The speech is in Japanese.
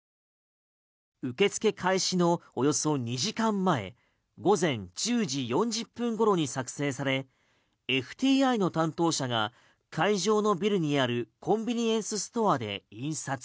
受付開始のおよそ２時間前午前１０時４０分ごろに作成されＦＴＩの担当者が会場のビルにあるコンビニエンスストアで印刷。